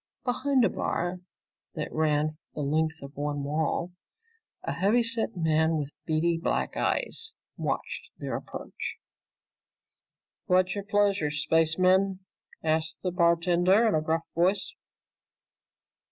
Behind a bar that ran the length of one wall, a heavy set man with beady black eyes watched their approach. "What's your pleasure, spacemen?" asked the bartender in a gruff voice.